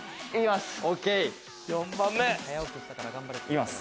行きます。